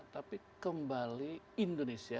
tapi kembali indonesia